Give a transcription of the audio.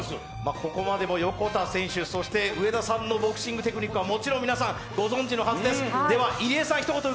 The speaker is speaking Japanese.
ここまでも横田選手、上田さんのボクシングテクニックはもちろん皆さんご存じのはずです。